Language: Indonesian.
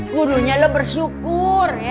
kudunya lu bersyukur ya